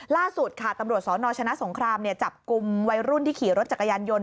ล่าสุดค่ะตำรวจสนชนะสงครามจับกลุ่มวัยรุ่นที่ขี่รถจักรยานยนต